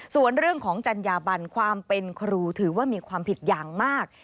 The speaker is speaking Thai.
ส่วนเรื่องของจัญญาบันความเป็นครูถือว่ามีความผิดอย่างมาก